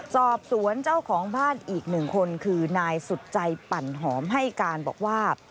สอบสวนเจ้าของบ้านอีกหนึ่งคนคือนายสุดใจปั่นหอมให้การบอกว่า